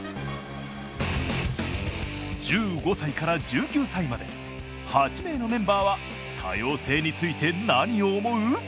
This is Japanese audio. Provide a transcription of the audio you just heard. １５歳から１９歳まで８名のメンバーは多様性について何を思う？